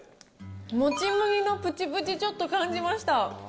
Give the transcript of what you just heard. もち麦のぷちぷち、ちょっと感じました。